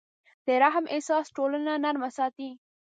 د رحم احساس ټولنه نرمه ساتي.